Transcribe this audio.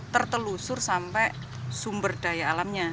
tertelusur sampai sumber daya alamnya